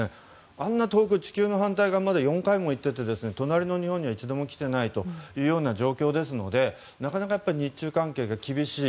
あんなに遠い地球の反対側に４回も行っていて隣の日本には一度も来ていない状況ですのでなかなか日中関係が厳しい。